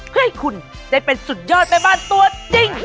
เพื่อให้คุณได้เป็นสุดยอดแม่บ้านตัวจริง